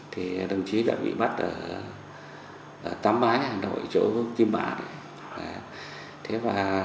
thì đồng chí đã bị bắt ở tám bái hà nội chỗ kim mạng